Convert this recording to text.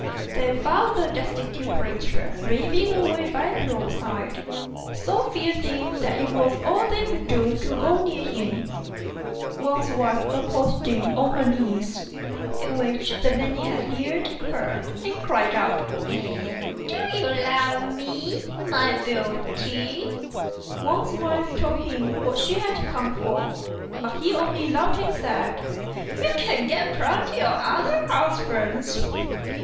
They found the destitute creature raving away by the road side, so filthy that it was all they could do to go near him. Wang's wife approached him on her knees ; at which the maniac leered at her, and cried out, "Do you love me, my beauty?" Wang's wife told him what she had come for, but he only laughed and said, "You can get plenty of other husbands.